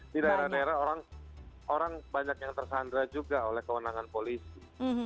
di daerah daerah orang banyak yang tersandra juga oleh kewenangan polisi